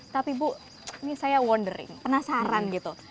tapi bu ini saya wondering penasaran gitu